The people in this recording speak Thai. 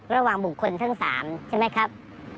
ระหว่างบุคคลทั้ง๓ใช่ไหมครับ